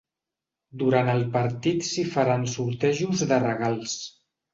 Durant el partit s’hi faran sortejos de regals.